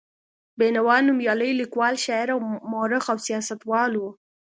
بېنوا نومیالی لیکوال، شاعر، مورخ او سیاستوال و.